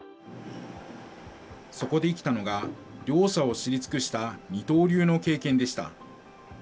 そこで生きたのが、両者を知り尽くした二刀流の経験でした。